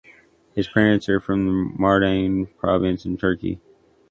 His parents are from the Mardin Province in Turkey.